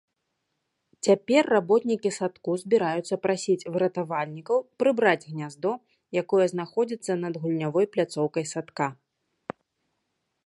Цяпер работнікі садку збіраюцца прасіць выратавальнікаў прыбраць гняздо, якое знаходзіцца над гульнявой пляцоўкай садка.